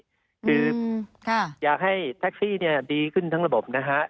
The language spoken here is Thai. คืออยากให้แท็กซี่เนี่ยดีขึ้นทั้งระบบนะฮะ